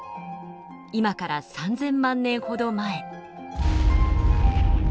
今から３，０００万年ほど前。